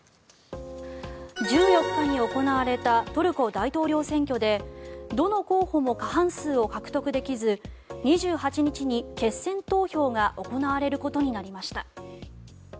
１４日に行われたトルコ大統領選挙でどの候補も過半数を獲得できず２８日に決選投票が行われることになりました。